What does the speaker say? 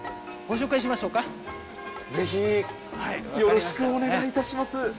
ぜひよろしくお願いいたします。